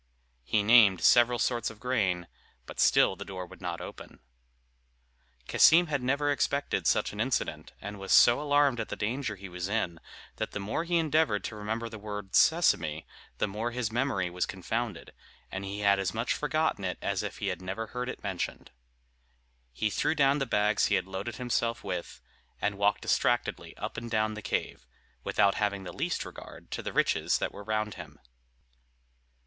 He named several sorts of grain, but still the door would not open. Cassim had never expected such an incident, and was so alarmed at the danger he was in, that the more he endeavored to remember the word "Sesame," the more his memory was confounded, and he had as much forgotten it as if he had never heard it mentioned, He threw down the bags he had loaded himself with, and walked distractedly up and down the cave, without having the least regard to the riches that were round him.